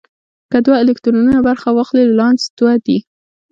که دوه الکترونونه برخه واخلي ولانس دوه دی.